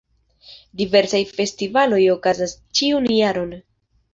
Diversaj festivaloj okazas ĉiun jaron.